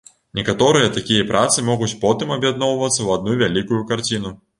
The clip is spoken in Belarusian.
Некаторыя такія працы могуць потым аб'ядноўвацца ў адну вялікую карціну.